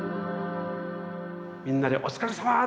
みんなで「お疲れさま！